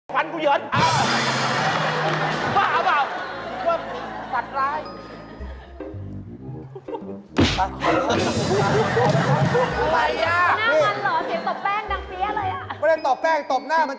ใช่เขาใช้มีสัตว์ตายในผากัน